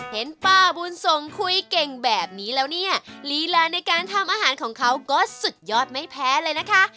เห็นป้าบุญส่งคุยเก่งแบบนี้แล้วเนี่ยลีลาในการทำอาหารของเขาก็สุดยอดไม่แพ้เลยนะคะ